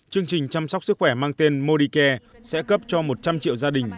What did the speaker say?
chương trình chăm sóc sức khỏe mang tên modicare sẽ cấp cho một trăm linh triệu gia đình